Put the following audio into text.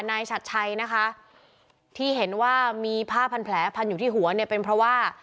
ฉัดชัยนะคะที่เห็นว่ามีผ้าพันแผลพันอยู่ที่หัวเนี่ยเป็นเพราะว่า